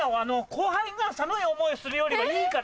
後輩が寒い思いするよりはいいから。